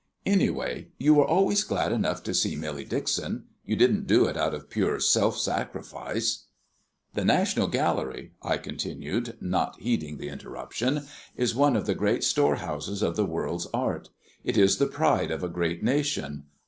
"Anyway you were always glad enough to see Millie Dixon; you didn't do it out of pure self sacrifice." "The National Gallery," I continued, not heeding the interruption, "is one of the great storehouses of the world's art. It is the pride of a great nation.